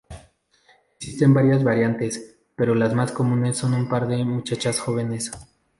Existen varias variantes, pero las más comunes son un par de muchachas jóvenes.